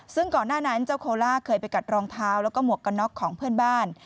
ซึ่งก่อนหน้านั้นเจ้าโคล่าเคยไปกัดรองเท้าแล้วก็หมวกกันน็อกของเพื่อนบ้าน